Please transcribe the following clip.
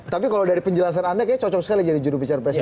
tapi kalau dari penjelasan anda kayaknya cocok sekali jadi jurubicara presiden